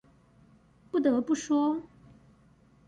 不得不說